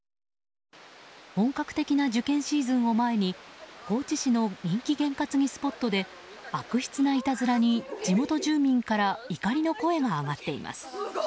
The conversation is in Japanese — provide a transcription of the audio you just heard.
本格的な受験シーズンを前に高知市の人気験担ぎスポットで悪質ないたずらに地元住民から怒りの声が上がっています。